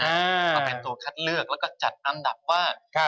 มาเป็นตัวคัดเลือกแล้วก็จัดอันดับว่า